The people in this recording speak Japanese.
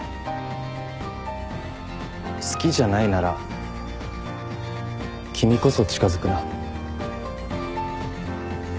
好きじゃないなら君こそ近づくな。